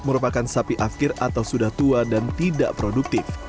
merupakan sapi akhir atau sudah tua dan tidak produktif